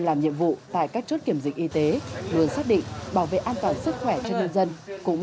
làm nhiệm vụ tại các chốt kiểm dịch y tế vừa xác định bảo vệ an toàn sức khỏe cho nhân dân cũng